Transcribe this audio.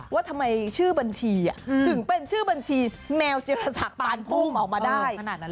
ว่าทำไมชื่อบัญชีถึงเป็นชื่อบัญชีแมวจิรษักปานพุ่งออกมาได้